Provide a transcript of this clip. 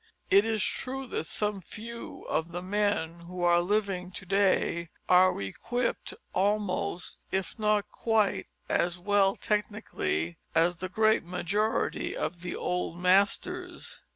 It is true that some few of the men who are living to day are equipped almost, if not quite, as well technically as the great majority of the old masters.